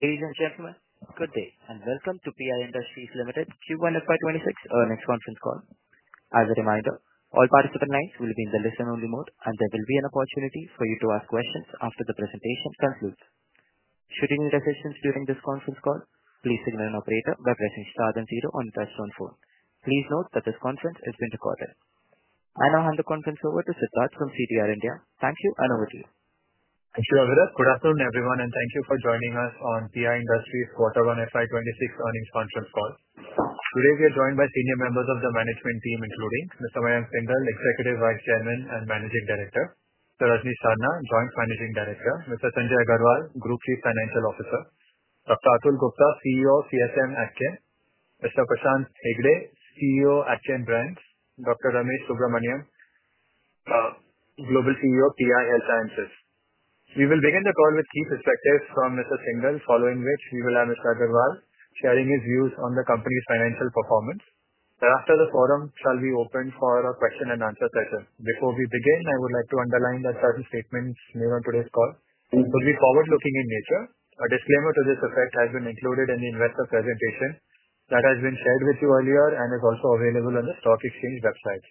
Ladies and gentlemen, good day and welcome to PI Industries Ltd. Q1 FY 2026 Earnings Conference Call. As a reminder, all participant names will be in the listen-only mode, and there will be an opportunity for you to ask questions after the presentation concludes. Should you need assistance during this conference call, please email an operator by pressing star then zero on the touch-tone phone. Please note that this conference is being recorded. I now hand the conference over to Siddharth from CDR India. Thank you and over to you. Thank you, Avirat. Good afternoon, everyone, and thank you for joining us on PI Industries Q1 FY 2026 Earnings Conference Call. Today, we are joined by senior members of the management team, including Mr. Mayank Singhal, Executive Vice Chairman and Managing Director; Rajnish Sarna, Joint Managing Director; Mr. Sanjay Agarwal, Group Chief Financial Officer; Dr. Atul Gupta, CEO, CSM business; Mr. Prashant Hegde, CEO, AgChem Brands; and Dr. Ramesh Subramanian, Global CEO, PI Health Sciences. We will begin the call with key perspectives from Mr. Singhal, following which we will have Mr. Agarwal sharing his views on the company's financial performance. Thereafter, the forum shall be open for a question and answer session. Before we begin, I would like to underline that present statements made on today's call will be forward-looking in nature. A disclaimer to this effect has been included in the investor presentation that has been shared with you earlier and is also available on the stock exchange website.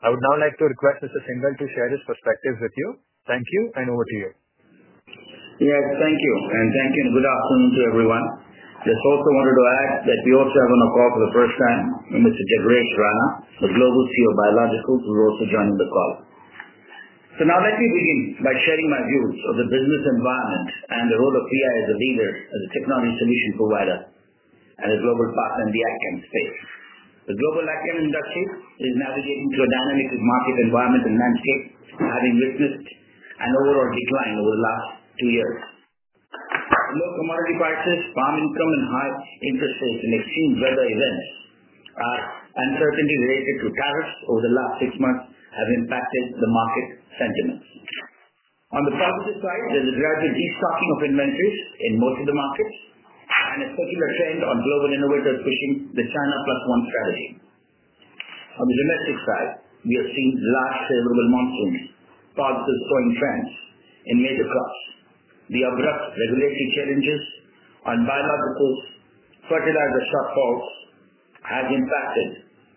I would now like to request Mr. Singhal to share his perspectives with you. Thank you and over to you. Yes, thank you, and good afternoon to everyone. I just also wanted to add that we also have on the call Professor Sam, Mr. Jagresh Rana, a Global CEO of Biologicals, who will also join the call. Now let me begin by sharing my views on the business environment and the role of PI as a leader, as a technology solution provider, and as a global partner in the AgChem space. The global AgChem industry is navigating through a dynamic market environment and landscape, having witnessed an overall decline over the last two years. Low commodity prices, farm income, and high interest rates in extreme weather events, and uncertainty related to tariffs over the last six months have impacted the market sentiment. On the positive side, there's a gradual declining of inventories in most of the markets and a popular trend on global innovators pushing the China Plus One strategy. On the negative side, we are seeing large scale global monsoons, part of the growing trends, and major costs. The unrest, regulatory challenges, and biological fertilizer stock holds have impacted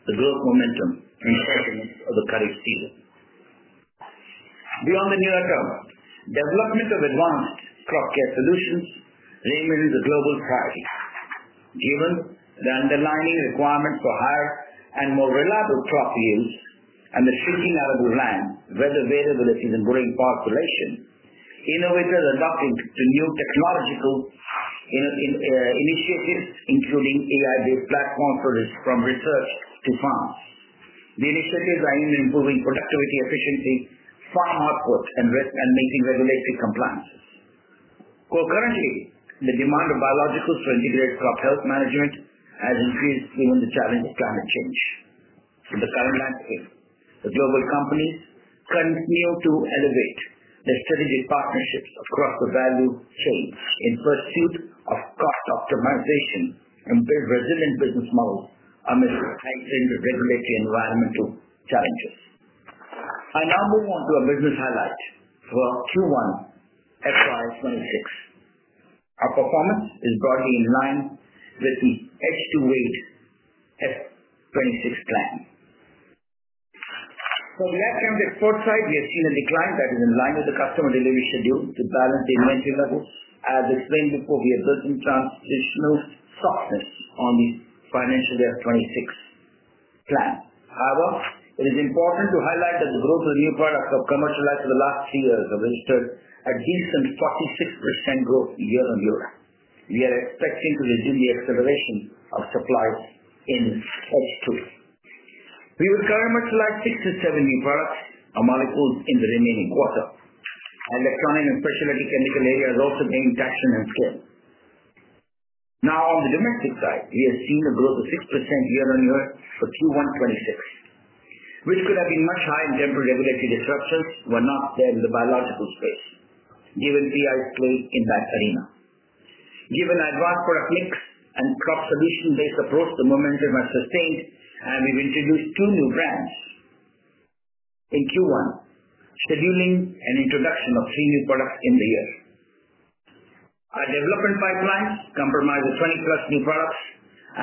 the growth momentum in sheltering of the Kharif season. Beyond the near term, development of advanced crop care solutions remain the global challenge. Given the underlying requirements for higher and more reliable crop yields and the shrinking arable land, weather variability, and growing population, innovators are launching new technological initiatives, including AI-based platforms from research to farm. The initiatives are aimed at improving productivity, efficiency, farm output, and meeting regulatory compliances. Concurrently, the demand of biologicals for integrated crop health management has increased given the challenges of climate change. In the current landscape, the global companies continue to elevate their strategic partnerships across the value chains in pursuit of cost optimization and build resilient business models amidst the regulatory environmental challenges. I now move on to a business highlight for Q1 FY 2026. Our performance is broadly in line with the edge-to-weight FY 2026 plans. For the AgChem's export side, we have seen a decline that is in line with the customer delivery schedule to balance the inventory levels. As explained before, we are building fast with new stalls on the financial year 2026 plan. However, it is important to highlight that the growth in new products have commercialized in the last few years and registered a decent 46% growth year-on-year. We are expecting to resume the acceleration of supply in Q2. We would very much like 6-7 new products and molecules in the remaining quarter. Our electronic and specialty chemical area has also been intact and in form. Now, on the domestic side, we have seen a growth of 6% year-on-year for Q1 FY 2026, which could have been much higher in terms of regulatory disruptions, but not in the biological space, given PI's place in that arena. Given our advanced product mix and crop solution-based approach, the momentum has sustained, and we've introduced two new brands in Q1, scheduling an introduction of three new products in the year. Our development pipeline comprises 20+ new products,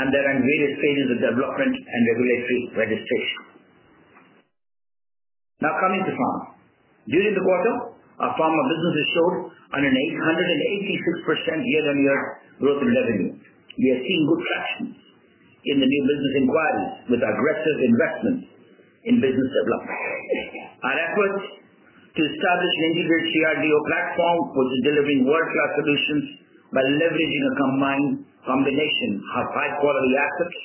and there are various phases of development and regulatory registration. Now, coming to farm. During the quarter, our farmer business has sold at an 186% year-on-year growth in revenues. We are seeing good traction in the new business inquiry with aggressive investment in business development. Our efforts to establish an integrated CRDMO platform for delivering wildflower solutions by leveraging a combination of high quality assets,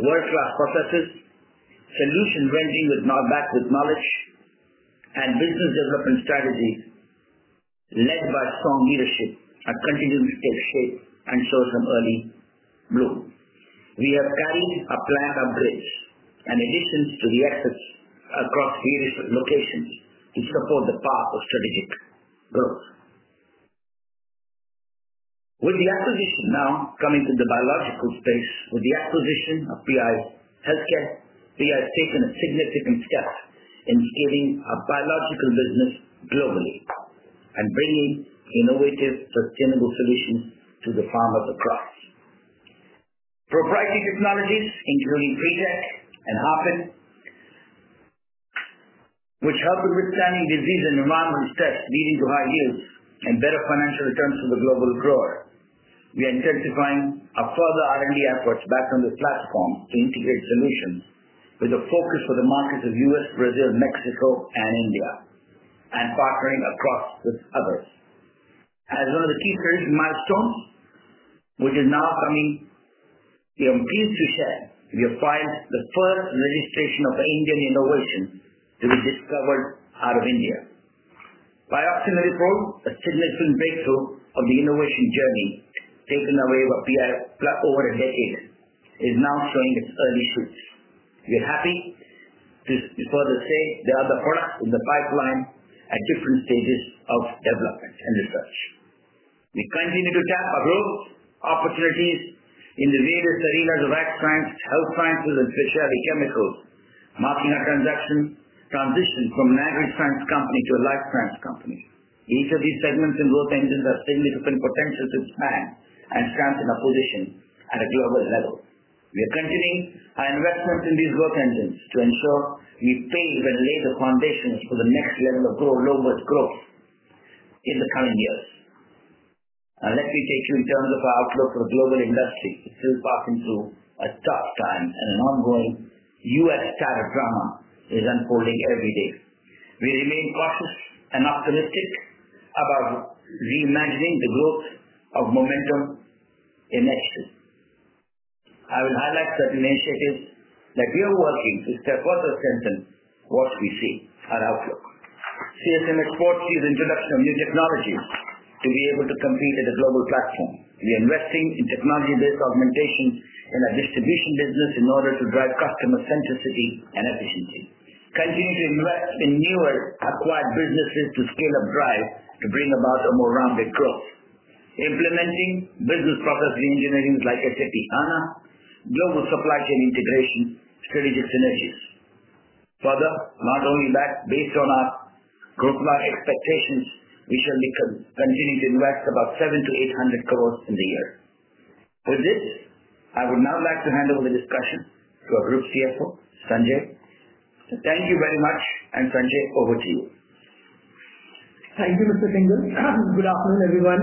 wildflower processes, solutions ranging with no backward knowledge, and business development strategies led by strong leadership have continued to shape and show some early bloom. We are carrying a plan of bridge and additions to the assets across various locations to support the path of strategic growth. With the acquisition now coming to the biological space, with the acquisition of PI Health Sciences, PI is taking a significant step in scaling our biological business globally and bringing innovative, sustainable solutions to the farmers across. Proprietary technologies, including PREtec and Harpin, which help in withstanding disease and environmental stress leading to high yields and better financial returns for the global grower. We are intensifying our further R&D efforts back on the platform to integrate solutions with a focus for the markets of U.S., Brazil, Mexico, and India, and partnering across with others. As one of the key creation milestones, which is now coming, I am pleased to share, we have filed the first registration of an Indian innovation to be discovered out of India. PIOXANILIPROLE, a significant breakthrough of the innovation journey taken away by PI over a decade, is now showing its early fruits. We're happy to further say there are other products in the pipeline at different stages of development in research. We continue to tackle growth opportunities in the various arenas of health sciences and specialty chemicals, marking our transition from agri-sciences company to a life-sciences company. Each of these segments and growth engines has significant potential to expand and strengthen our position at a global level. We are continuing our investment in these growth engines to ensure we pave and lay the foundations for the next level of global growth in the coming years. Our legislation, in terms of our outlook for the global industry, is still barking through a startup plan, and an ongoing U.S. startup drama is unfolding every day. We remain cautious and optimistic about reimagining the growth of momentum in excess. I would highlight certain initiatives that we are working to step further strengthen what we see at outlook. CSM exports use the introduction of new technology to be able to compete at the global platform. We are investing in technology-based augmentation in our distribution business in order to drive customer centricity and efficiency. Continue to invest in newer acquired businesses to scale up drive to bring about a more rounded growth. Implementing business process re-engineerings like SAP HANA, global supply chain integration, strategic synergies. Further, not only that, based on our growth expectations, we shall continue to invest about 700-800 crore in the year. With this, I would now like to hand over the discussion to our Group Chief Financial Officer, Sanjay. Thank you very much, and Sanjay, over to you. Thank you, Mr. Singhal. Good afternoon, everyone.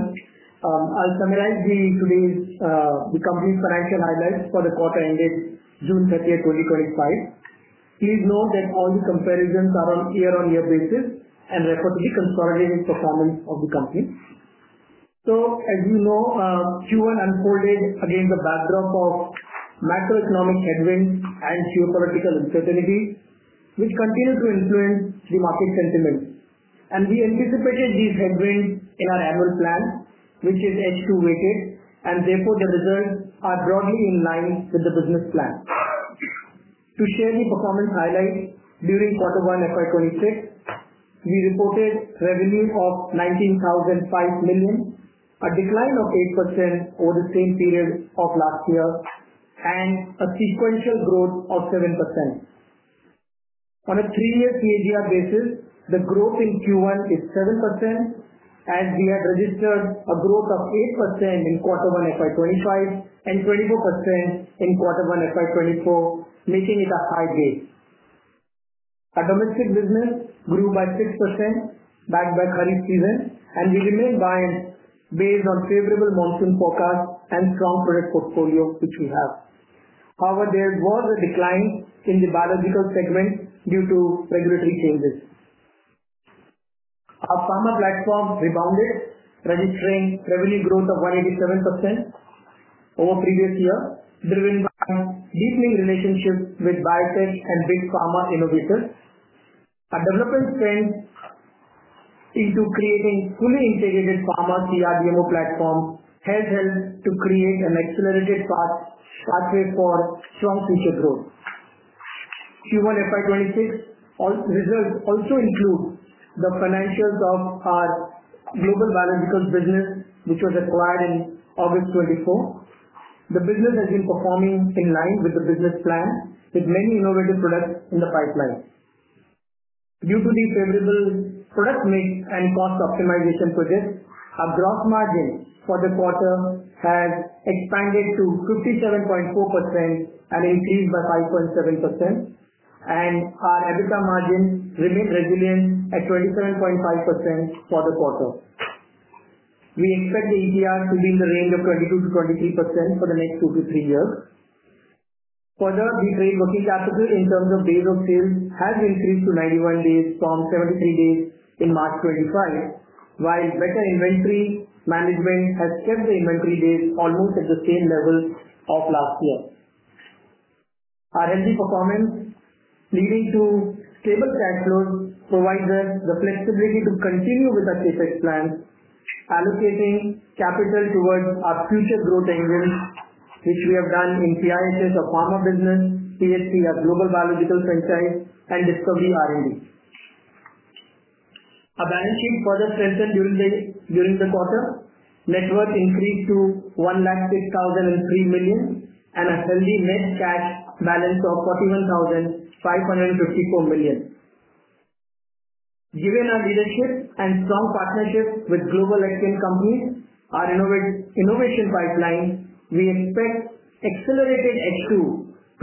I'll summarize today's company's financial highlights for the quarter ended June 30th, 2025. Please note that all the comparisons are on a year-on-year basis and recorded to be consolidated performance of the company. Q1 unfolded against the backdrop of macroeconomic headwinds and geopolitical uncertainty, which continue to influence the market sentiment. We anticipated these headwinds in our annual plan, which is edge-to-weighted, and therefore the results are broadly in line with the business plan. To share the performance highlights during quarter one FY 2026, we reported revenue of 19,005 million, a decline of 8% over the same period of last year, and a sequential growth of 7%. On a three-year CAGR basis, the growth in Q1 is 7%, and we had registered a growth of 8% in quarter one FY 2025 and 24% in quarter one FY 2024, making it a high grade. Our domestic business grew by 6% backed by Kharif season, and we remain buoyant based on favorable monsoon forecasts and strong product portfolio, which we have. However, there was a decline in the biologicals segment due to regulatory changes. Our pharma platform rebounded, registering revenue growth of 187% over the previous year, driven by deepening relationships with biotech and big pharma innovators. Our development trend into creating fully integrated pharma CRDMO platform has helped to create an accelerated pathway for strong future growth. Q1 FY 2026 also includes the financials of our global biological business, which was acquired in August 2024. The business has been performing in line with the business plan, with many innovative products in the pipeline. Due to the favorable product mix and cost optimization measures, our gross margin for the quarter has expanded to 57.4% and increased by 5.7%, and our EBITDA margin remains resilient at 27.5% for the quarter. We expect the ETR to be in the range of 22%-23% for the next two to three years. Further, the trade working capital, in terms of days of sales, has increased to 91 days from 73 days in March 2025, while better inventory management has kept the inventory base almost at the same level of last year. Our healthy performance, leading to stable cash flow, provides us the flexibility to continue with our CSM plan, allocating capital towards our future growth engines, which we have done in PI Health Sciences, a pharma business, PHC, a global biological franchise, and Discovery R&D. Our balance sheet further strengthened during the quarter. Net worth increased to 1,603 million and a healthy net cash balance of 41,554 million. Given our leadership and strong partnership with global AgChem companies, our innovation pipeline, we expect accelerated H2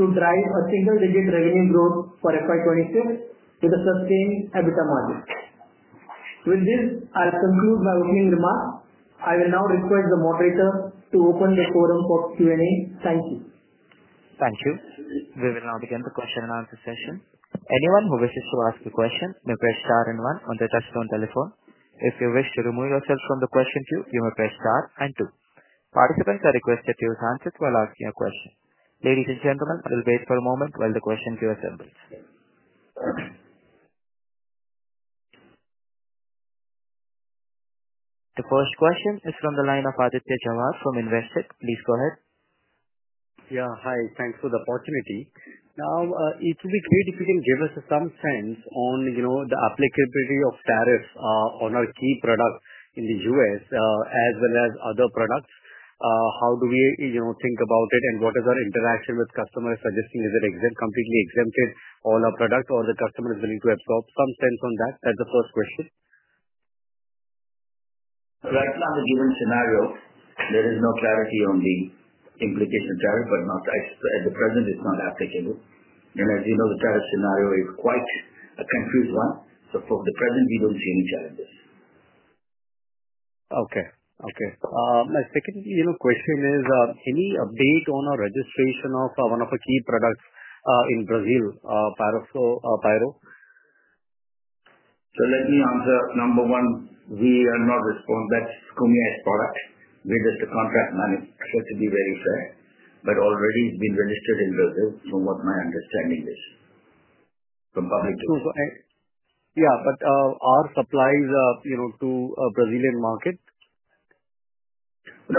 to drive a single-digit revenue growth for FY 2026 with a sustained EBITDA margin. With this, I conclude my opening remarks. I will now request the moderator to open the forum for Q&A. Thank you. Thank you. We will now begin the question-and-answer session. Anyone who wishes to ask a question may press star and one on the touchstone telephone. If you wish to remove yourself from the question queue, you may press star and two. Participants are requested to use handsets while asking a question. Ladies and gentlemen, we'll wait for a moment while the question queue assembles. The first question is from the line of Aditya Jhawar from Investec. Please go ahead. Yeah, hi. Thanks for the opportunity. It would be great if you can give us some sense on the applicability of tariffs on our key products in the U.S., as well as other products. How do we think about it, and what is our interaction with customers suggesting? Is it completely exempted on our products, or the customers will need to absorb some? Thank you on that. That's the first question. Right now, in the given scenario, there is no priority on the implication of tariff, but not at the present, it's not applicable. As you know, the tariff scenario is quite a confused one. For the present, we don't see any challenges. Okay. My second question is, any update on our registration of one of our key products in Brazil, Pyro? Let me answer. Number one, we are not responsible. That's a scummier product. We did the contract management. Supposed to be very fair, but already it's been registered in Brazil from what my understanding is from public. Yeah, our supplies are to a Brazilian market. We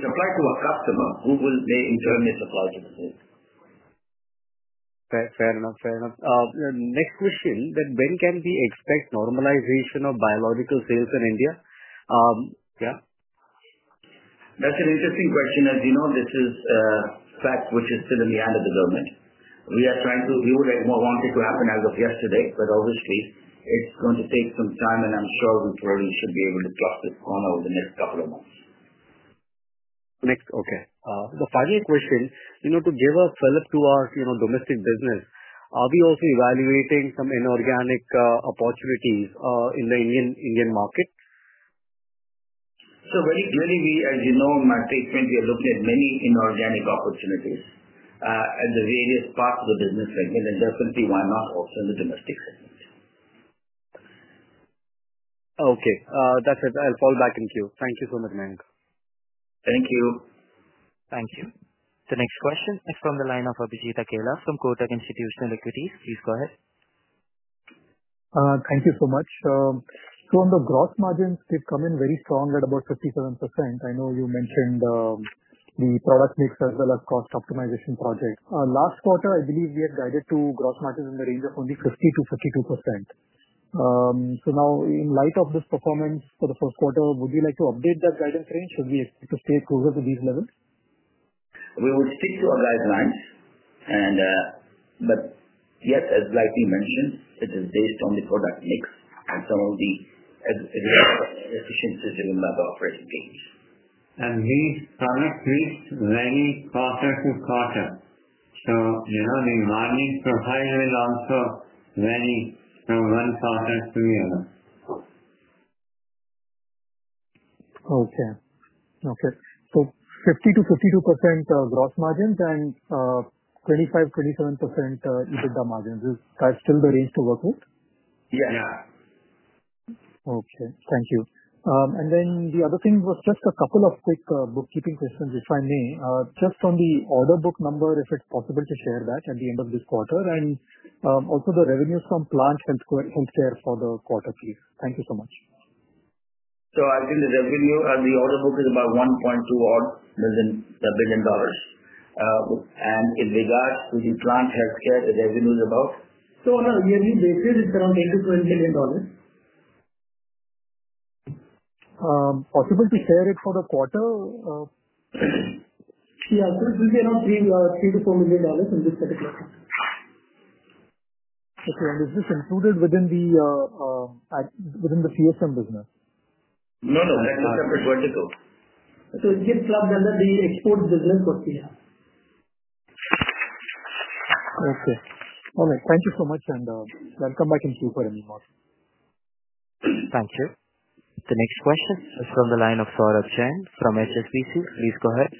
supply to a customer who will, in turn, may supply to Brazil. Fair enough, fair enough. Next question, when can we expect normalization of biological sales in India? Yeah. That's an interesting question. As you know, this is a fact which is still in the hand of the government and the court. We would have wanted it to happen as of yesterday, but obviously, it's going to take some time. The final question, to give a filler to our domestic business, are we also evaluating some inorganic opportunities in the Indian market? As you know, in my statement, we are looking at many inorganic opportunities in the various parts of the business segment, and definitely one of the domestic segments. Okay, that's it. I'll fall back in queue. Thank you so much, Mayank. Thank you. Thank you. The next question is from the line of Abhijit Akella from Kotak Institutional Equities. Please go ahead. Thank you so much. On the gross margins, they've come in very strong at about 57%. I know you mentioned the product mix as well as the cost optimization project. Last quarter, I believe we had guided to gross margins in the range of only 50%-52%. In light of this performance for the first quarter, would you like to update that guidance range? Should we expect to stay closer to these levels? We will stick to our guidelines, and yes, like we mentioned, it is due to the product mix and some of the efficiencies that we'll have operating teams. And these product mix vary quarter-to-quarter. So, the margin profile will also vary from quarter-to-quarter. Okay. Okay. So 50-52% gross margins and 25%-27% EBITDA margins. Is that still the range to work with? Yes. Okay. Thank you. Just a couple of quick bookkeeping questions, if I may. Just on the order book number, if it's possible to share that at the end of this quarter, and also the revenues from Plant Health Care for the quarter, please. Thank you so much. I think the revenue on the order book is about $1.2 billion. In regards to the Plant Health Care, the revenue is above. You mean they said it's around $8 million-$10 million. Possible to share it for the quarter? Yeah, I think it's around $3 million-$4 million in this particular. Okay. Is this included within the CSM business? No, no, separate vertical. Here's the export business for. All right. Thank you so much, and I'll come back in queue for anymore. Thank you. The next question is from the line of Saurabh Jain from HSBC. Please go ahead.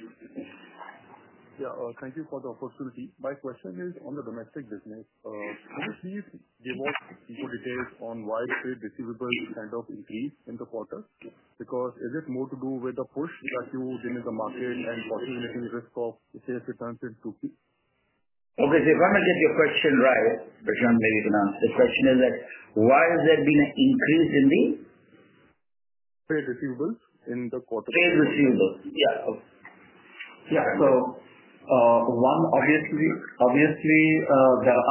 Yeah, thank you for the opportunity. My question is on the domestic business. I'm just curious if you have seen the details on why they receive this kind of increase in the quarter. Is it more to do with the push that you did in the market and also making the risk of the shares returning to Q2? Okay, if I may get your question right, which I'm maybe going to, the question is that why has there been an increase in the? Pay receivables in the quarter. Pay receivables. Yeah. There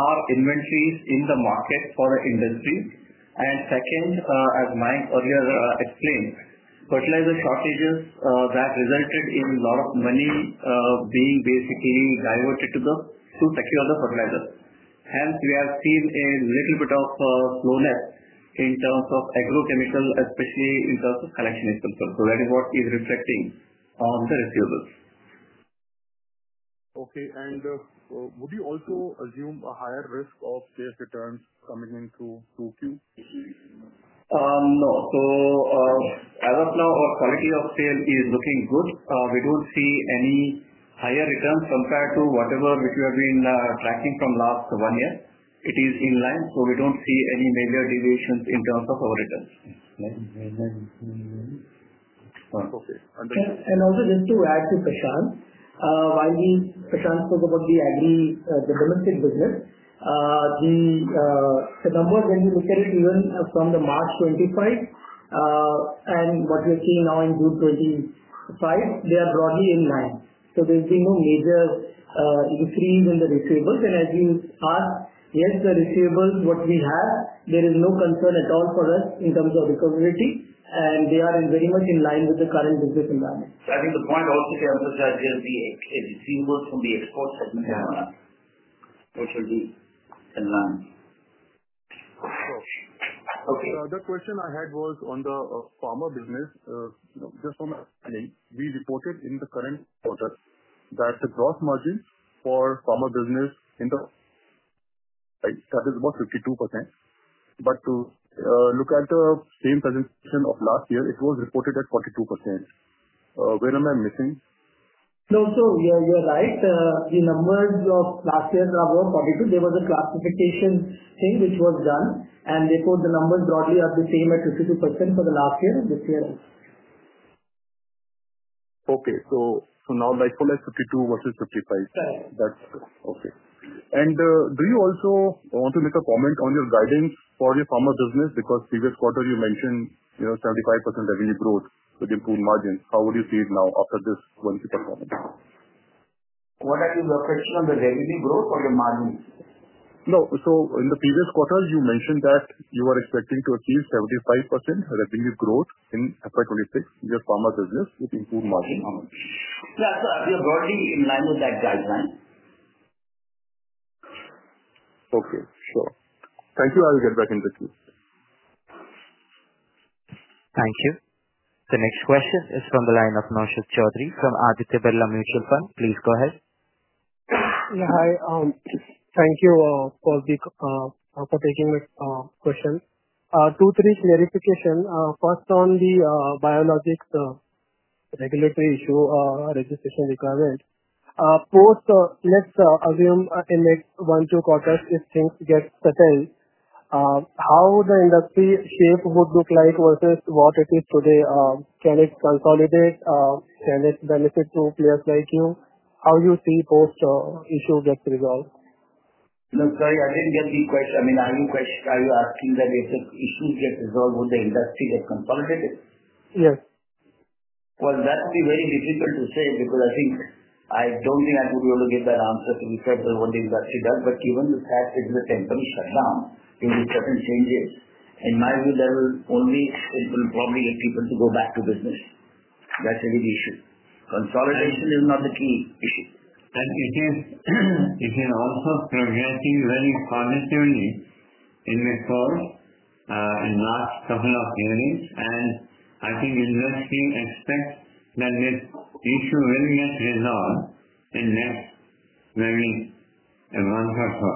are inventories in the market for the industry. As Mayank earlier explained, fertilizer shortages resulted in a lot of money being basically diverted to secure the fertilizer. Hence, we have seen a little bit of slowness in terms of agrochemical, especially in terms of selection income. That is what is reflecting on the receivables. Okay. Would you also assume a higher risk of shares returns coming into Q2? As of now, our quality of sale is looking good. We don't see any higher returns compared to whatever we have been tracking from last one year. It is in line, so we don't see any major deviations in terms of our returns. Okay. Understood. Just to add to Prashant, while Prashant spoke about the agri domestic business, the number when we look at it even from March 2025 and what we are seeing now in June 2025, they are broadly in line. There has been no major increase in the receivables. As you asked, yes, the receivables, what we have, there is no concern at all for us in terms of the community. We are very much in line with the current business environment. I think the point also to emphasize is the receivables from the export segment are, which are used in line. Okay. The question I had was on the pharma business. Just from the feeling, we reported in the current quarter that the gross margin for pharma business in the shut is about 52%. To look at the same presentation of last year, it was reported at 42%. Where am I missing? No, sir, you're right. The numbers of last year were 42. There was a classification thing which was done, and they told the numbers broadly are the same at 52% for the last year and this year. Okay. I call it 52 versus 55. That's okay. Do you also want to make a comment on your guidance for your pharma business? Because previous quarter, you mentioned you know 75% revenue growth with improved margins. How would you see it now after this monthly performance? What are your reflections on the revenue growth or the margins? No. In the previous quarter, you mentioned that you were expecting to achieve 75% revenue growth in FY 2026 in your pharma business with improved margins. Yeah, sir, we are working in line with that guideline. Okay. Sure. Thank you. I'll get back in the queue. Thank you. The next question is from the line of Naushad Chaudhary from Aditya Birla Mutual Fund. Please go ahead. Yeah, hi. Thank you for taking the question. Two, three clarifications. First, on the biologicals regulatory issue, registration requirements. Post, let's assume in the next one, two quarters, if things get settled, how the industry shape would look like versus what it is today? Can it consolidate? Can it benefit to players like you? How do you see post issue gets resolved? Looks like I didn't get the question. Are you asking that if issues get resolved, would the industry get consolidated? Yes. I think I don't think I would be able to give that answer to be certain what the industry does. Given the fact that the company is shut down due to certain changes, in my view, that will only open probably the people to go back to business. That's a good issue. Consolidation is not the key. I think it is also correlating very positively in the call in the last couple of minutes. I think investors expect that this issue will get resolved in the next very month or so.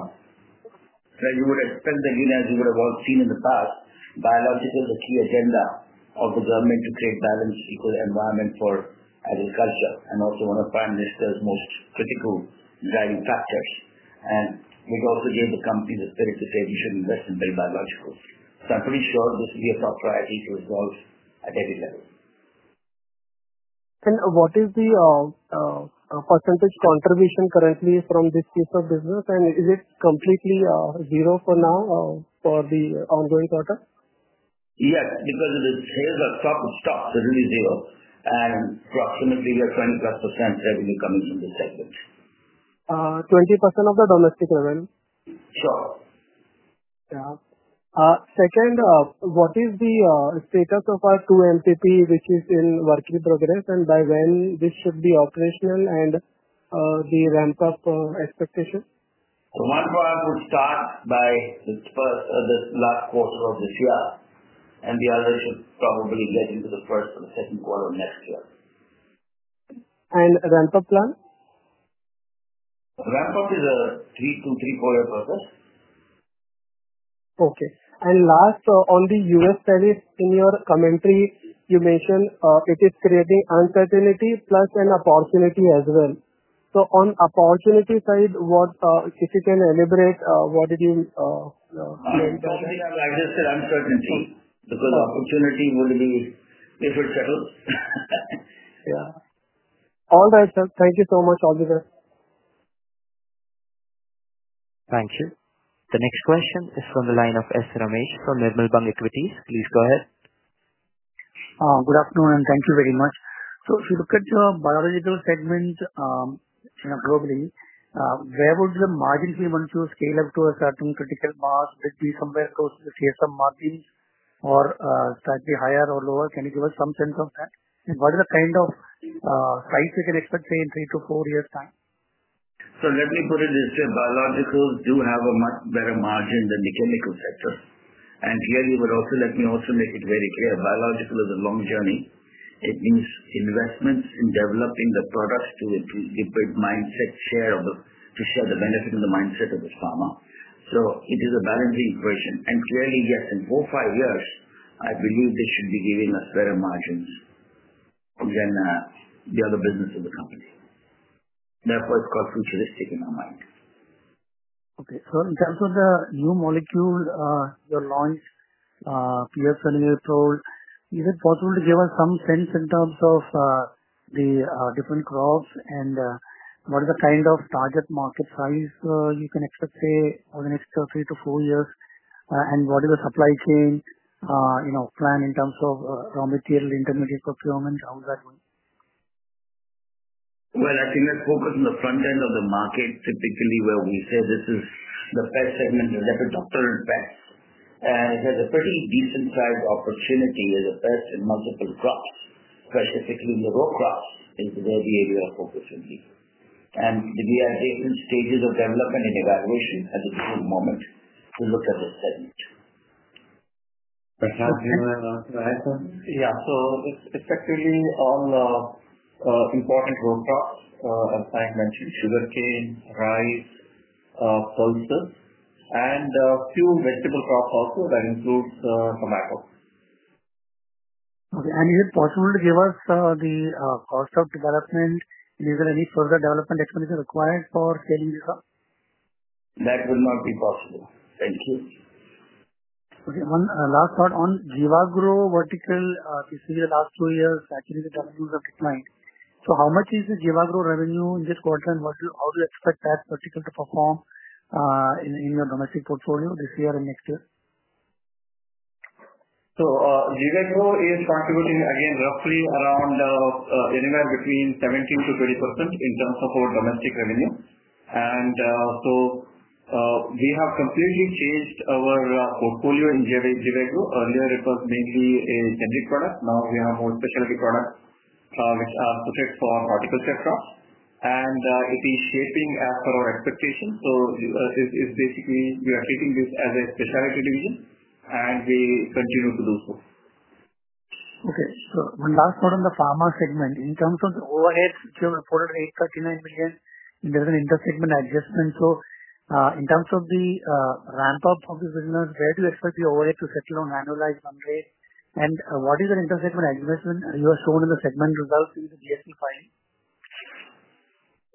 You would expect that, again, as you would have all seen in the past, biological is the key agenda of the government to create balanced, equal environment for agriculture and also one of Prime Minister's more critical driving factors. We've also given the company the spirit to say you should invest in biological. I'm pretty sure we'll see the proprietary results at every level. What is the percentage conservation currently from this piece of business? Is it completely zero for now or the ongoing quarter? Yes, because it is, here's a shared like shot of star. It's really zero, and approximately we have 20+% revenue coming from this segment. 20% of the domestic revenue. Second, what is the status of our 2 MPPs, which is in virtual progress, and by when this should be operational and the ramp-up expectation? Ramp-up would start by its first the last quarter of this year, and the others would probably get into the first and second quarter of next year. Ramp-up plan? Ramp-up is a 3-4 year process. Okay. Last, on the U.S. studies, in your commentary, you mentioned it is creating uncertainty plus an opportunity as well. On the opportunity side, if you can elaborate what you? I just said uncertainty because opportunity would be if it settles. All right. Thank you so much, all the best. Thank you. The next question is from the line of S. Ramesh from Nirmal Bang Equities. Please go ahead. Good afternoon, and thank you very much. If you look at the biological segments, probably where would the margin say once you scale up to a certain critical mass, it be somewhere close to the CSM margin or slightly higher or lower? Can you give us some sense of that? What are the kind of price we can expect, say, in three to four years' time? Let me put it this way. Biologicals do have a much better margin than the chemical sector. Here, let me also make it very clear. Biological is a long journey. It needs investments in developing the products to a different mindset, to share the benefit and the mindset of the pharma. It is a balancing equation. Clearly, yes, in four or five years, I believe this should be giving a better margin than the other businesses of the companies. Therefore, it's called futuristic in our minds. Okay. In terms of the new molecule, your launch, PIOXANILIPROLE, is it possible to give us some sense in terms of the different crops and what are the kind of target market size you can expect, say, over the next three to four years? What is the supply chain plan in terms of raw material, intermediate procurement? How is that going? I think that focus on the front end of the market typically where we say this is the best segment, you'll get the doctorate best. There's a pretty decent size opportunity with the best in multiple crops, specifically in the row crops is where the area of focus in here. We are in stages of development and evaluation at the moment to look at the segment. It's Prashant, Yeah. It's effectively on important row crops, as I've mentioned, sugarcane, rice, soybeans, and a few vegetable crops also. That includes tomatoes. Okay. Is it possible to give us the cost of development? Is there any further development expenditure required for selling the crop? That would not be possible. Thank you. Okay. One last thought on Jivagro vertical. This year, the last two years, actually, the revenues are declining. How much is the Jivagro revenue in this quarter, and how do you expect that vertical to perform in your domestic portfolio this year and next year? Jivagro is contributing, again, roughly around anywhere between 17%-20% in terms of our domestic revenue. We have completely changed our portfolio in Jivagro. Earlier, it was mainly a generic product. Now we have more specialty products, which are specific for horticultural crops. It is shaping as per our expectations. It is basically, we are treating this as a specialty division, and we continue to do so. Okay. One last thought on the pharma segment. In terms of the overhead, you reported INR 839 million in the intersegment adjustment. In terms of the ramp-up of the business, where do you expect the overhead to settle on an annualized one day? What is the intersegment adjustment? Are you assuming in the segment without seeing the BSE filing?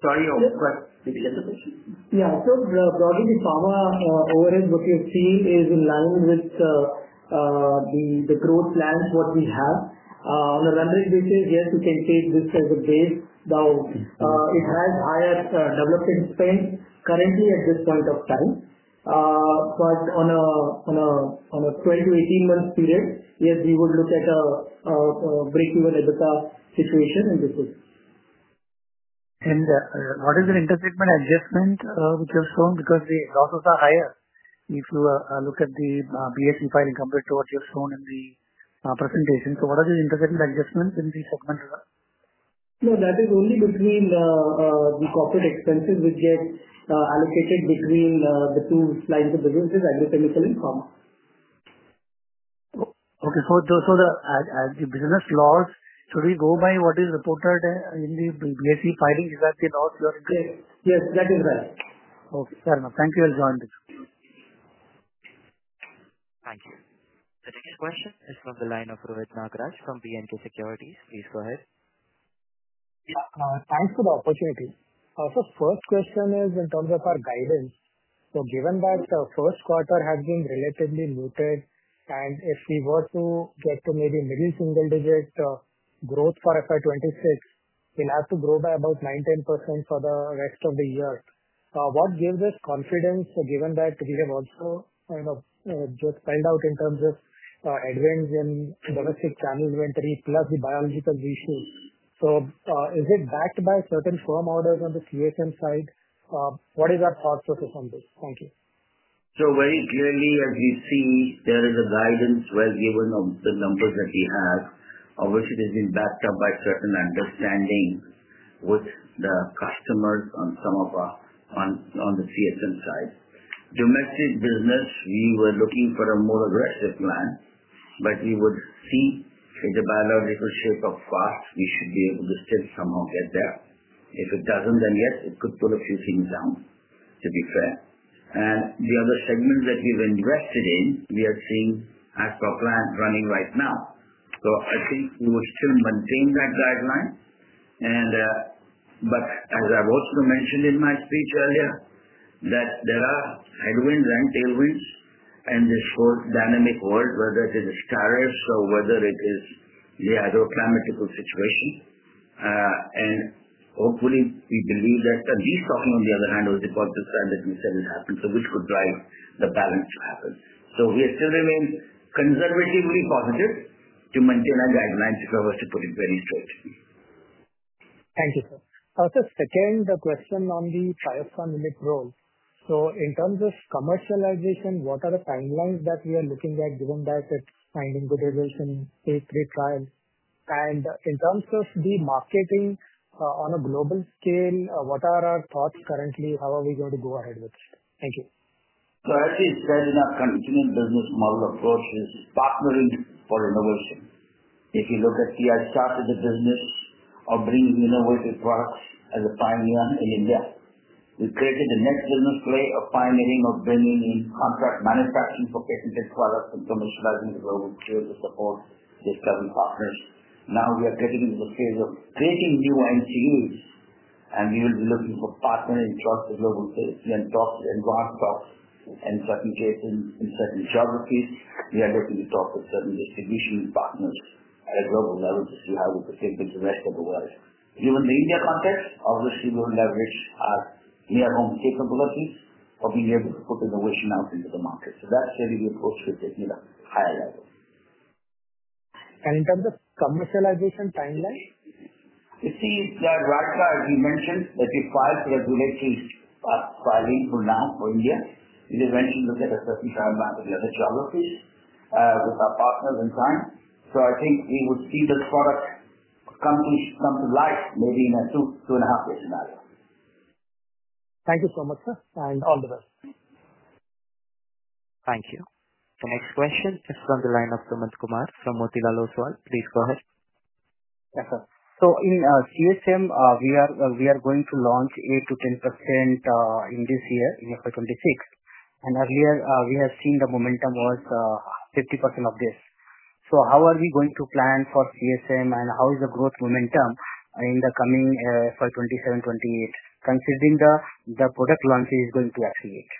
Sorry, your question? Yeah. Broadly, the pharma overhead booking scheme is in line with the growth plans we have. On a run rate basis, yes, we can take this as a base. It has higher developing spend currently at this point of time. On a 12-18-month period, yes, we would look at breaking the EBITDA situation in between. What is the intersegment adjustment, which you've shown because the losses are higher if you look at the BSE filing compared to what you've shown in the presentation? What are the intersegment adjustments in the segment? No, that is only between the corporate expenses which get allocated between the two lines of businesses, agri-chemical and pharma. Okay. The business loss, should we go by what is reported in the BSE filing? Is that the loss? Yes, that is right. Okay. Fair enough. Thank you, I will join the queue. Thank you. The next question is from the line of Rohit Nagaraj from B&K Securities. Please go ahead. Thanks for the opportunity. First question is in terms of our guidance. Given that the first quarter has been relatively muted and if we were to get to maybe middle single-digit growth for FY 2026, it has to grow by about 19% for the rest of the year. What gives us confidence given that we have also kind of just held out in terms of advent in domestic channel inventory plus the biological ratio? Is it backed by certain form orders on the CSM side? What is our thought process on this? Thank you. Very clearly, as you see, there is a guidance well given of the numbers that we have. Obviously, it has been backed up by certain understandings with the customers on some of our on the CSM side. Domestic business, we were looking for a more aggressive plan, but we would see in the biological shape of farms, we should be able to still somehow get there. If it doesn't, then yes, it could pull a few things down to be fair. The other segment that we've invested in, we are seeing as per plan running right now. I think we would still maintain that guideline. As I've also mentioned in my speech earlier, there are headwinds, ranked tailwinds, and this whole dynamic world, whether it is tariffs or whether it is the hydroclimatic situation. Hopefully, we believe that at least on the other hand of the corporate side that we said would happen, which could drive the balance to happen. We still remain conservatively positive to maintain our guidelines if I was to put it very straight. Thank you, sir. Just second question on the PIOXANILIPROLE role. In terms of commercialization, what are the timelines that we are looking at given that it's finding good results in phase III trials? In terms of the marketing on a global scale, what are our thoughts currently? How are we going to go ahead with this? Thank you. I think it's fairly enough. Come between business model approaches is partnering for innovation. If you look at PI Industries, we started the business of bringing innovative products as a pioneer in India. We created the next business way of pioneering of bringing in contract manufacturing for patient-based products and commercializing the global trade to support this current market. Now we are getting into the phase of creating new NCEs, and we will be looking for partners across the global trade to see and talk to advanced talks. In certain cases, in certain geographies, we are looking to talk with certain execution partners at a global level that you have to think of the rest of the world. Given the India context, obviously, we will leverage our near-home capabilities of being able to put innovation out into the market. That's really the approach we're taking at a higher level. In terms of commercialization timeline? We have filed for the duration of filing for now for India. Even when you look at a certain time in other geographies, with our partners in time, I think we would see that product come to life maybe in a two, two and a half years' time. Thank you so much, sir, and all the best. Thank you. The next question is from the line of Sumant Kumar from Motilal Oswal. Please go ahead. Yes, sir. In CSM, we are going to launch 8%-10% in this year in FY 2026. Earlier, we have seen the momentum was 50% of this. How are we going to plan for CSM, and how is the growth momentum in the coming FY 2027-FY 2028 considering the product launch is going to escalate?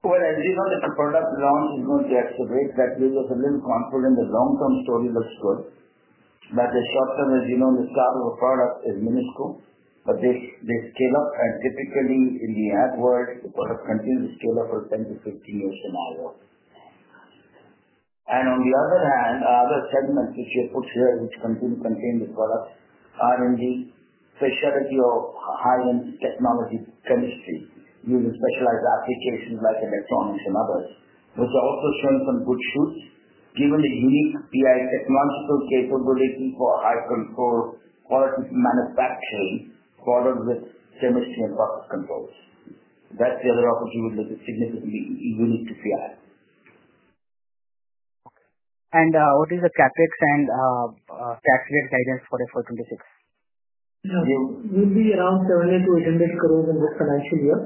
As you know, the product launch is going to escalate. That gives us a little confidence. The long-term story looks good. The short term, as you know, the start of a product is minuscule, but they scale up. Typically, in the ad world, products continue to scale up for 10-15 years from our work. On the other hand, other segments which we put here, which continue to contain the product, R&D, specialty or high-end technology chemistry using specialized applications like electronics and others. To also strengthen the push force, given that we've PI technological capability for our control or manufacturing forward with chemistry and product controls. That's the other opportunity that is significantly unique to PI. What is the target and calculated guidance for FY 2026? You'll be around 70-80 crore in book financial year,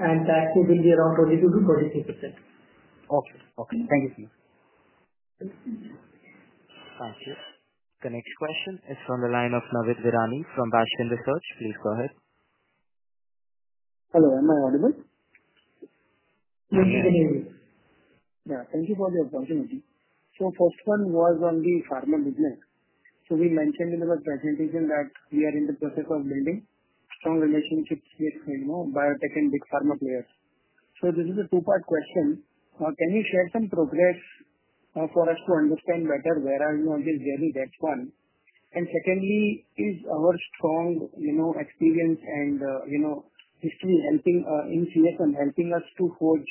and that could be around 22%-23%. Okay. Okay. Thank you, sir. Thank you. The next question is from the line of Navid Virani from Bastion Research. Please go ahead. Hello. I'm available? Yes, you can hear me. Thank you for the opportunity. The first one was on the pharma business. We mentioned in the presentation that we are in the process of building our relationships with biotech and big pharma players. This is a two-part question. Can you share some progress for us to understand better where are we on this journey? That's one. Secondly, is our strong, you know, experience and, you know, system helping in CSM helping us to hold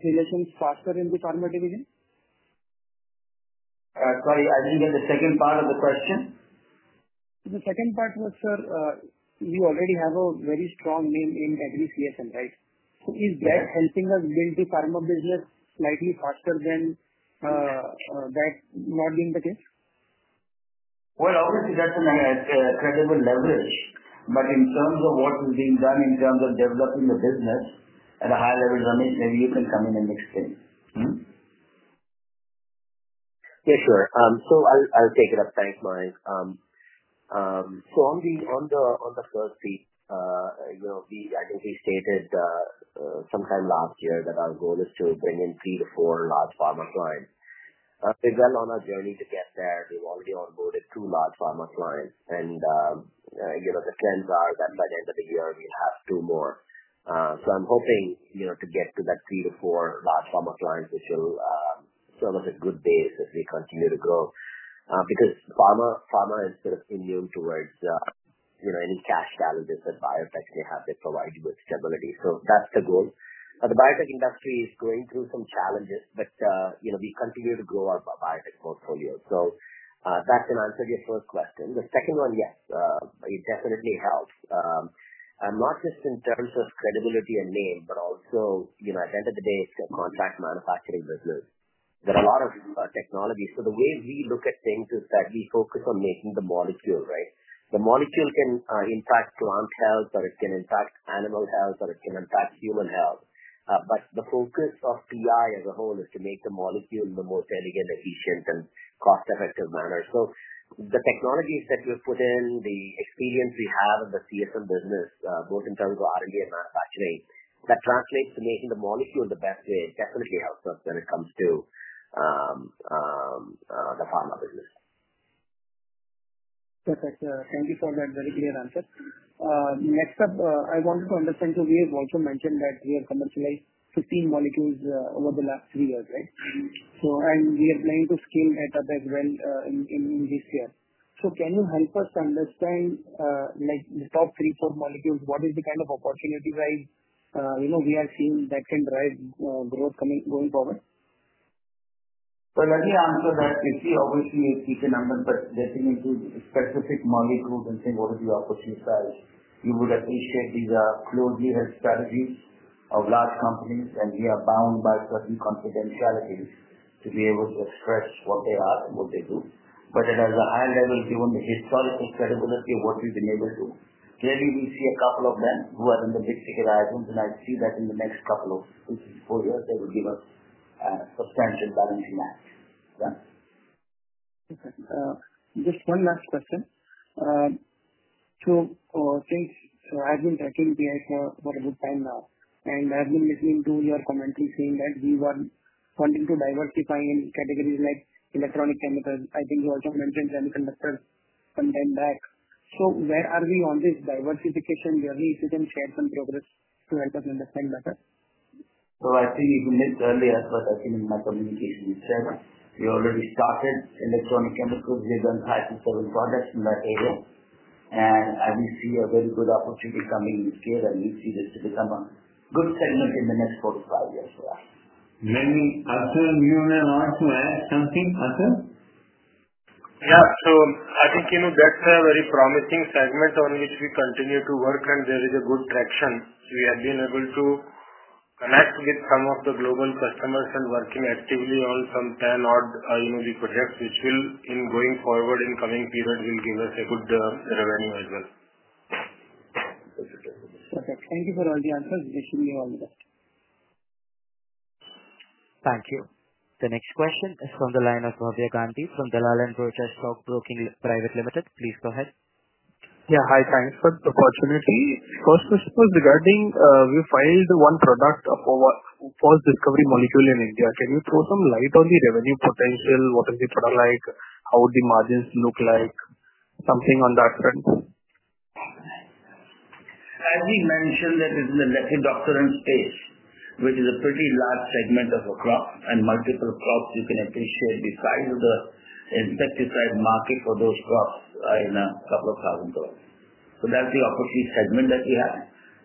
CSM faster in the pharma division? Sorry, I didn't get the second part of the question. The second part was, sir, you already have a very strong name in agri CSM, right? Is that helping us win the pharma business slightly faster than that not being the case? Obviously, that would have a credible leverage. In terms of what is being done in terms of developing the business at a higher level, Ramesh, maybe you can come in and explain. Yes, sir. I'll take it up. Thanks, Mayank. On the first piece, I think we stated sometime last year that our goal is to bring in 3-4 large pharma clients. We've been on a journey to get there. We've already onboarded two large pharma clients, and the trends are that by the end of the year, we'll have two more. I'm hoping to get to that 3-4 large pharma clients, which will serve as a good base as we continue to grow. Pharma is sort of immune towards any cash challenges that biotechs may have that provide you with stability. That's the goal. The biotech industry is going through some challenges, but we continue to grow our biotech portfolio. That's an answer to your first question. The second one, yes, it definitely helps. Not just in terms of credibility and name, but also, at the end of the day, it's a contract manufacturing business. There are a lot of technologies. The way we look at things is that we focus on making the molecule, right? The molecule can impact plant cells, or it can impact animal cells, or it can impact human health. The focus of PI as a whole is to make the molecule in the most elegant, efficient, and cost-effective manner. The technologies that we've put in, the experience we have in the CSM business, both in terms of R&D and manufacturing, that translates to making the molecule in the best way, definitely helps us when it comes to the pharma business. Perfect. Thank you for that very clear answer. Next up, I wanted to understand, we have also mentioned that we have commercialized 15 molecules over the last three years, right? We are planning to scale it up as well in this year. Can you help us understand, like the top three, four molecules, what is the kind of opportunity drive, you know, we are seeing that can drive growth going forward? Let me answer that. You see, obviously, if you say number, but getting into specific molecules and saying what are the opportunity side, you would at least say these are closely held strategies of large companies, and we are bound by certain confidentiality to be able to express what they are, what they do. At another higher level, given the historical credibility of what we've been able to do, clearly, we see a couple of them who are in the mid-second items, and I see that in the next couple of, which is four years, they will give us a substantial balancing act. Just one last question. Since I've been touching PI for quite a good time now, and I've been listening to your commentary saying that we were wanting to diversify in categories like electronic chemicals. I think you also mentioned chemical metals and then that. Where are we on this diversification? Where we shouldn't share some progress to help us understand better? I think you've understood the effort I've seen in my communications. You said you already started electronic chemicals. We've done five to seven projects in that area, and we see a very good opportunity coming this year. We see this to become a good segment in the next 4-5 years. I think you have also add something, Atul? Yeah, I think that's a very promising segment. If we continue to work on it, there is good traction. We have been able to connect with some of the global customers and are working actively on some 10-odd projects, which, going forward in the coming period, will give us good revenue as well. Thank you for all the answers. We appreciate it. Thank you. The next question is from the line of Bhavya Gandhi from Dalal and Broacha Stock Broking Private Limited. Please go ahead. Yeah. Hi, thanks for the opportunity. First question was regarding we filed one product called Discovery Molecule in India. Can you throw some light on the revenue potential? What is the product like? How would the margins look like? Something on that front. As we mentioned, that is in the Lepidopteran space, which is a pretty large segment of a crop and multiple crops. You can appreciate the size of the insecticide market for those crops in a couple of thousand dollars. That's the opportunity segment that we have.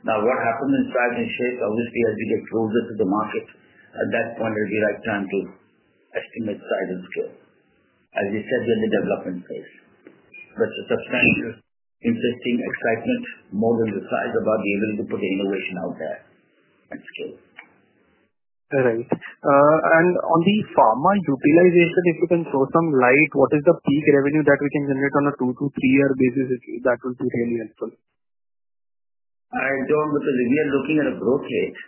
Now, what happens in size and shape? Obviously, as we get closer to the market, at that point, it will be the right time to estimate size and scale. As you said, we're in the development phase. It's a substantial, interesting excitement, more than the size of our ability to put the innovation out there. All right. On the pharma utilization, if we can throw some light, what is the peak revenue that we can generate on a 2-3-year basis? That would be really helpful. We are looking at a growth phase,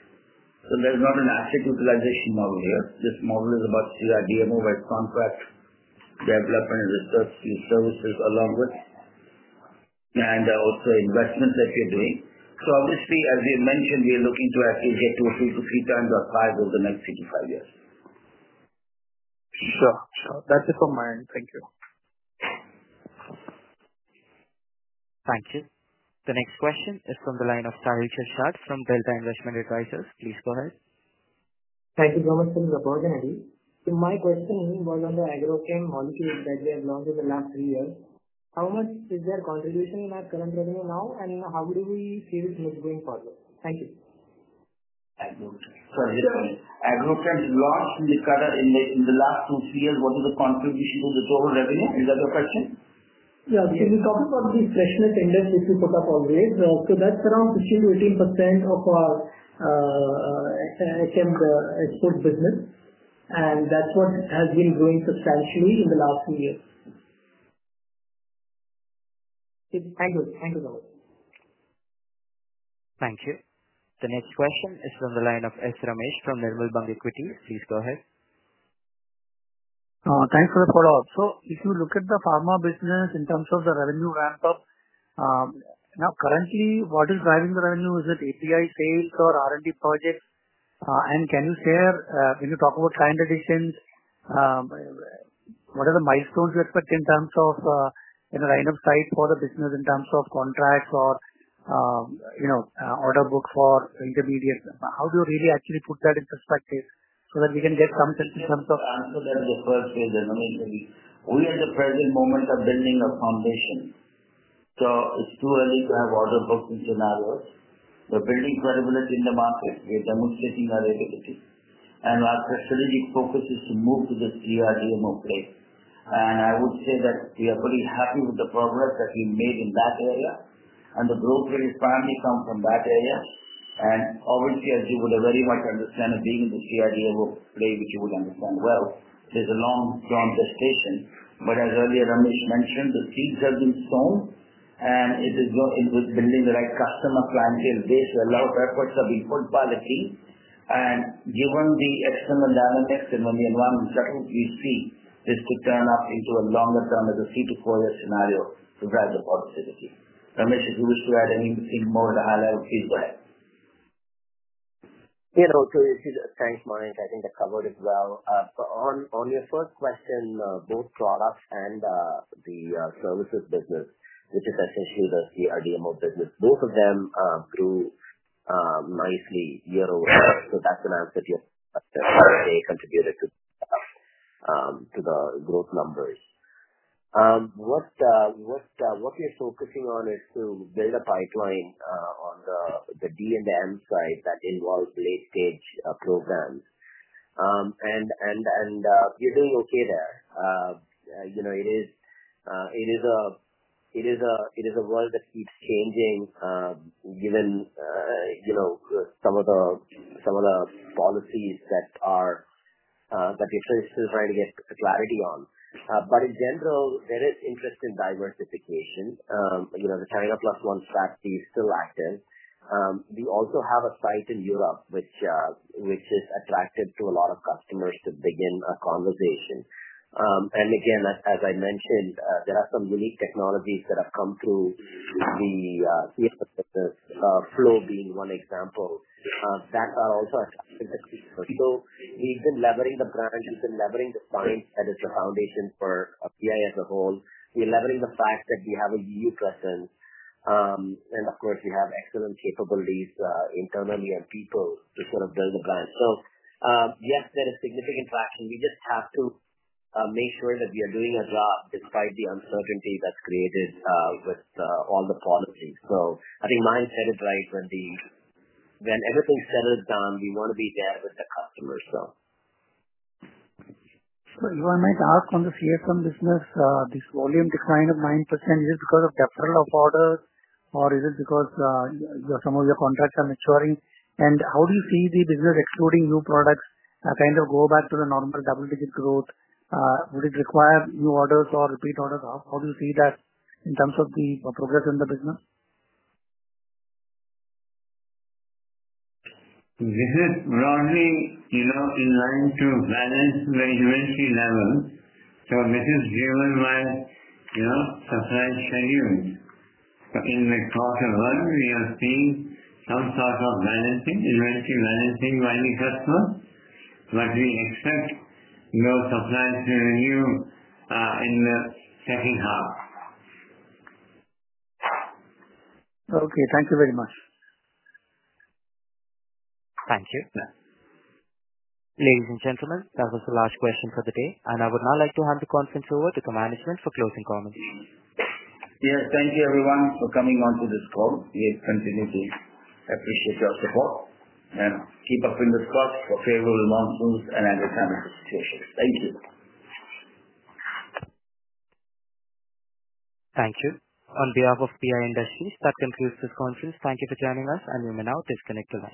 there's not an asset utilization model here. This model is about CRDMO-led contracts, development, research, and services, along with investments that we're doing. Obviously, as we mentioned, we are looking to actually get 2-3 times our size over the next 3-4 years. That's it from my end. Thank you. Thank you. The next question is from the line of Saheel Shirsat from Delta Investment Advisors. Please go ahead. Thank you so much. My question is, what are the agrochem molecules that we have launched in the last three years? How much is their contribution in our current revenue now, and how do we see this move going forward? Thank you. Agrochem's launched in the last 2-3 years, what is the contribution to the total revenue? Is that your question? Yeah. We're talking about the freshness index which we put up already. That's around 15%-18% of our chemical export business, and that's what has been growing substantially in the last two years. Thank you. Thank you. The next question is from the line of S. Ramesh from Nirmal Bang Equities. Please go ahead. Thanks for the follow-up. If you look at the pharma business in terms of the revenue ramp-up, you know, currently, what is driving the revenue? Is it API sales or R&D projects? Can you share, when you talk about standardization, what are the milestones you expect in terms of line of sight for the business in terms of contracts or order book for intermediate? How do you really actually put that in perspective so that we can get some sense in terms of? Answer that I've offered in the numbers. We at the present moment are building our foundation. It's too early to have order booking scenarios. We're building credibility in the market. We're demonstrating our ability. Our strategic focus is to move to the CRDMO place. I would say that we are pretty happy with the progress that we made in that area. The growth has finally come from that area. Obviously, as you would very much understand, being in the CRDMO place, which you would understand well, there's a long, long gestation. As earlier Ramesh mentioned, the seeds have been sown, and it is with building the right customer clientele base, a lot of efforts have been put by the team. Given the external dynamics and when the environment is settled, you see this could turn out into a longer-term as a three to four-year scenario to drive the productivity. Ramesh, if you wish to add anything more at a high level, please go ahead. Yeah. No, if you just change minds, I think that covered it well. On your first question, both products and the services business, which is essentially the CRDMO business, both of them grew nicely year over year. That could answer to your question about any contributor to the growth numbers. What you're focusing on is to build a pipeline on the DMO side that involves late-stage programs, and you're doing okay there. You know, it is a world that keeps changing, given some of the policies that you're trying to get clarity on. In general, there is interest in diversification. The China Plus One strategy is still active. We also have a site in Europe, which is attractive to a lot of customers to begin a conversation. As I mentioned, there are some unique technologies that have come through the CSM business, flow being one example, that are also attractive to CSM. We've been levering the brand. We've been levering the science at its foundation for PI as a whole. We're levering the fact that we have a EU presence, and of course, we have excellent capabilities internally and people to sort of build the brand. Yes, there is significant traction. We just have to make sure that we are doing as well despite the uncertainty that's created with all the policies. I think mine's headed right when everything's settled down, we want to be there with the customers as well. Sorry, if I may ask, on the CSM business, this volume decline of 9%, is it because of the deferral of orders, or is it because some of your contracts are maturing? How do you see the business excluding new products that kind of go back to the normal double-digit growth? Would it require new orders or repeat orders? How do you see that in terms of the progress in the business? This is broadly, you know, in line to balance the inventory level. This is driven by, you know, supply chain issues. In the course of the month, we have seen some sort of inventory balancing by any customer. We expect no supply chain issue in the second half. Okay, thank you very much. Thank you. Ladies and gentlemen, that was the last question for the day. I would now like to hand the conference over to the management for closing comments. Yes, thank you, everyone, for coming onto this call. We continue to appreciate you after all and keep us in the spot for favorable long boosts in agroscience. Thank you. On behalf of PI Industries, that concludes this conference. Thank you for joining us, and we will now disconnect the call.